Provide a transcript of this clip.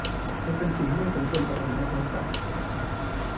มันเป็นสิ่งที่ไม่สมควรต่อกฎหมายของสัตว์